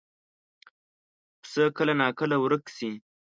پسه کله ناکله ورک شي.